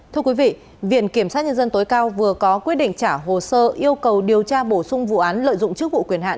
thưa quý vị viện kiểm sát nhân dân tối cao vừa có quyết định trả hồ sơ yêu cầu điều tra bổ sung vụ án lợi dụng chức vụ quyền hạn